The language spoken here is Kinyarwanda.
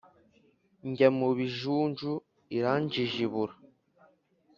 Njya mu bijunju iranjijibura!